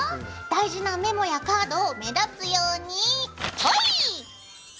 大事なメモやカードを目立つようにホイッ！